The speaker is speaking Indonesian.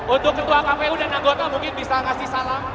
untuk ketua kpu dan anggota mungkin bisa kasih salam